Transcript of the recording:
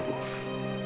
ibu kamu kenal sama laras